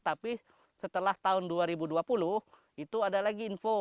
tapi setelah tahun dua ribu dua puluh itu ada lagi info